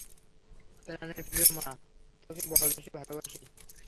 প্রানের প্রিয় মা তোকে, বড় বেশী ভালোবাসি।